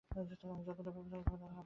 আমি যতটা ভেবেছিলাম তুমি ততটা ভারীও নও।